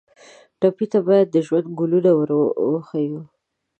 ټپي ته باید د ژوند ګلونه ور وښیو.